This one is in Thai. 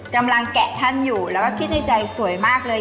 แกะท่านอยู่แล้วก็คิดในใจสวยมากเลย